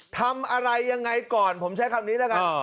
ทำอะไรยังไงก่อนผมใช้คำนี้แล้วกัน